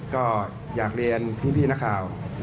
ก็อยากเรียนพี่นคราว